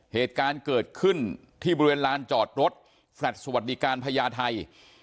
เหตุการณ์เกิดขึ้นที่บริเวณลานจอดรถแฟลต์สวัสดิการพญาไทย